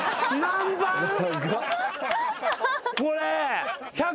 これ。